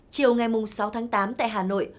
chiều ngày sáu tháng tám tại hà nội